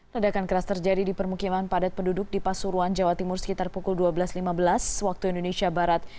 ledakan keras terjadi di permukiman padat penduduk di pasuruan jawa timur sekitar pukul dua belas lima belas waktu indonesia barat